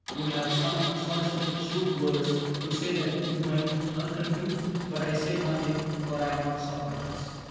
Would have some unsolicited shrewd words To say that you might hearken to ; but I Say nothing, for I am not Socrates.